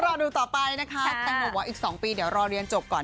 รอดูต่อไปนะคะแตงโมบอกว่าอีก๒ปีเดี๋ยวรอเรียนจบก่อน